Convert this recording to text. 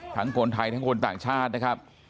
คนไทยทั้งคนต่างชาตินะครับ